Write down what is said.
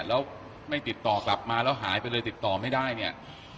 แล้วไม่ติดต่อกลับมาแล้วหายไปเลยติดต่อไม่ได้เนี่ย